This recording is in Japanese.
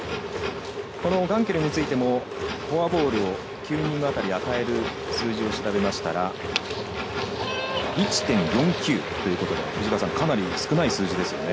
このガンケルについてもフォアボールを９人あたりに与える数字を調べましたら１．４９ということでかなり少ない数字ですよね。